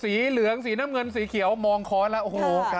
สีเหลืองสีน้ำเงินสีเขียวมองค้อนแล้วโอ้โห